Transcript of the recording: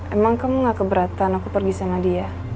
emang kamu gak keberatan aku pergi sama dia